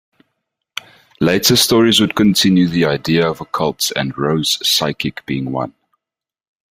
Later stories would continue the idea of Occult and Rose Psychic being one.